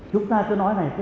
chúng ta cứ nói này